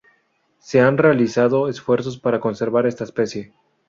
Se han realizado esfuerzos para conservar esta especie.